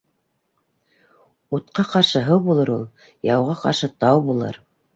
Утҡа ҡаршы һыу булыр ул, яуға ҡаршы тау булыр.